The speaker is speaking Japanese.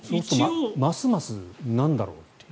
ますますなんだろうっていう。